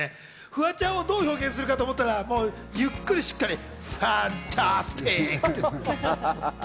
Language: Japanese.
フワちゃんをどう表現するかといったら、ゆっくりしっかりファンタスティック。